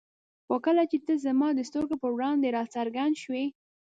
خو کله چې ته زما د سترګو په وړاندې را څرګند شوې.